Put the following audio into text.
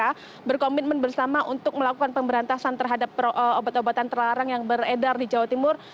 mereka berkomitmen bersama untuk melakukan pemberantasan terhadap obat obatan terlarang yang beredar di jawa timur